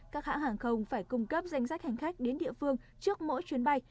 các hãng hàng không phải cung cấp danh sách hành khách đến địa phương trước mỗi chuyến bay